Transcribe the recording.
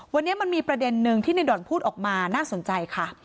วันนี้มันมีประเด็นนึงที่ในด่อนพูดออกมาน่าสนใจค่ะ